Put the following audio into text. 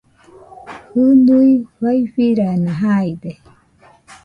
Jɨnui faifirana jaide